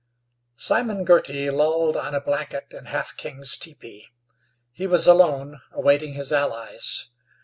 Simon Girty lolled on a blanket in Half King's teepee. He was alone, awaiting his allies.